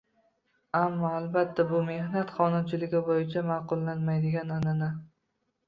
Ammo albatta bu mehnat qonunchiligi boʻyicha maʼqullanmaydigan “anʼana”.